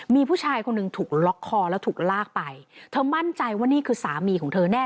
มีผู้ชายคนหนึ่งถูกล็อกคอแล้วถูกลากไปเธอมั่นใจว่านี่คือสามีของเธอแน่